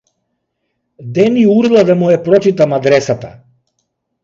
Дени урла да му ја прочитам адресата.